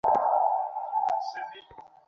অমনিতেই এটা সুদৃঢ় হয়ে গেল।